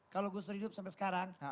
kalau gus dur hidup sampai sekarang